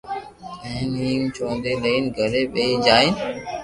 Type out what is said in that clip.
او ھيم چوندي لئين گھري پئچي جائين